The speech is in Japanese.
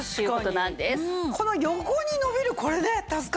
この横に伸びるこれね助かるよね。